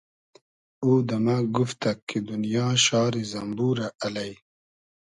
او دۂ مۂ گوفتئگ کی دونیا شاری زئمبورۂ الݷ